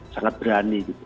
sangat berani gitu